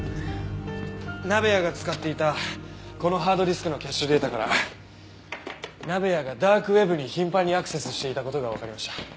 鍋谷が使っていたこのハードディスクのキャッシュデータから鍋谷がダークウェブに頻繁にアクセスしていた事がわかりました。